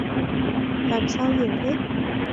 Làm sao hiểu hết